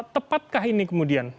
tepatkah ini kemudian